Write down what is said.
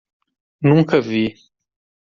Nunca vi